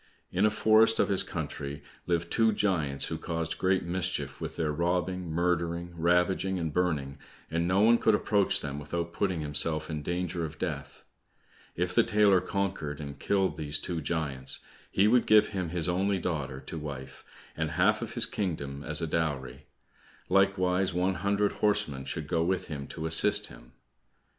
In a forest of his country lived two giants who caused great mischief with their robbing, murdering, ravaging, and burning, and no one could approach them without putting himself in danger of death. If the tailor conquered and killed these two giants, he would give him his only daughter to wife, and half of his kingdom as a dowry, likewise one hundred horsemen should go with him to assist him.